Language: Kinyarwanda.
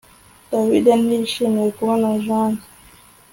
David ntiyishimiye kubona Jane